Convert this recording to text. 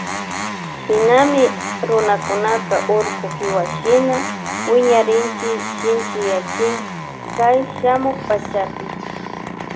Shinami runakunaka urku kiwashina wiñarinchi shinchiyanchi kay shamuk pachapi.